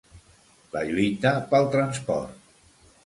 La lluita pel transport.